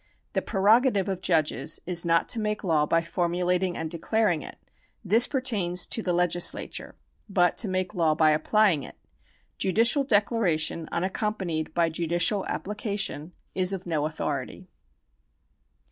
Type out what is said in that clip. The prerogative of judges is not to make law by formulating and declaring it — this pertains to the legislature — but to make law by applying it. Judicial declaration, unaccompanied by judicial application, is of no authority.